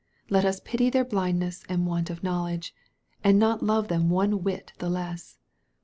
Let us pity their blindness and want of knowledge, and not love them one whit the less.